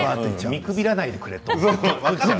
見くびらないでくれと。